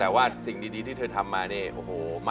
แต่ว่าสิ่งดีที่เธอทำมาเนี่ยโอ้โห